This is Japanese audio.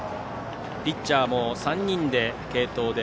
ピッチャーも３人継投で。